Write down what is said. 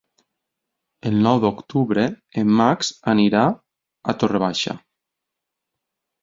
El nou d'octubre en Max anirà a Torre Baixa.